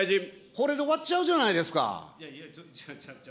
これで終わっちゃうじゃないですか。